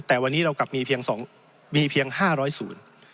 แต่วันนี้เรากลับมีเพียง๕๐๐ศูนย์